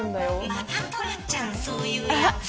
またトラちゃんそういうやつ。